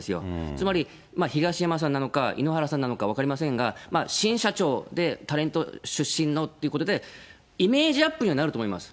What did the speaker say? つまり、東山さんなのか井ノ原さんなのか分かりませんが、新社長でタレント出身のっていうことで、イメージアップにはなると思います。